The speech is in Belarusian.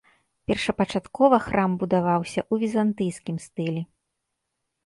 Першапачаткова храм будаваўся ў візантыйскім стылі.